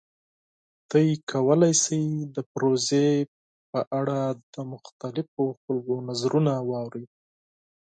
تاسو کولی شئ د پروژې په اړه د مختلفو خلکو نظرونه واورئ.